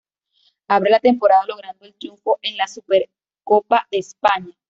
Abre la temporada logrando el triunfo en la Supercopa de España.